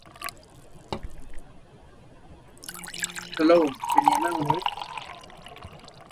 The soundscape was Nicky's idea.